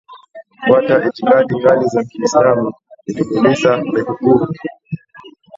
kufuata itikadi kali za Kiislamu Nilimuuliza Mehboob